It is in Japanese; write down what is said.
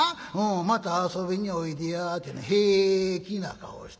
『また遊びにおいでや』ってね平気な顔してんねん。